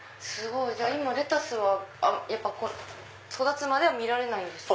じゃあ今レタスは育つまでは見られないんですか？